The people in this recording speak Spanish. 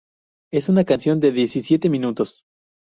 Es una canción de diecisiete minutos.